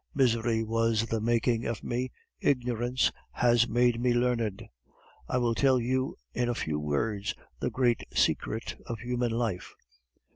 Misery was the making of me, ignorance has made me learned. I will tell you in a few words the great secret of human life.